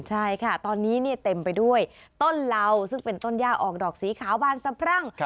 ใช่ค่ะตอนนี้เต็มไปด้วยต้นเหล่าซึ่งเป็นต้นย่าออกดอกสีขาวบานสะพรั่ง